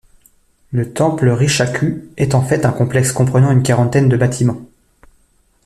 Le temple Risshaku est en fait un complexe comprenant une quarantaine de bâtiments.